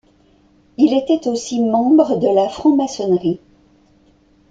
Il était aussi membre de la franc-maçonnerie.